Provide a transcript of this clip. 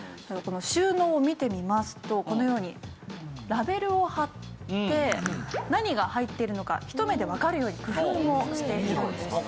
この収納を見てみますとこのようにラベルを貼って何が入っているのかひと目でわかるように工夫もしているんです。